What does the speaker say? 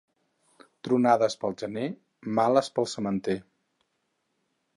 Tronades pel gener, males pel sementer.